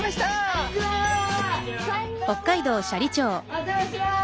お邪魔します！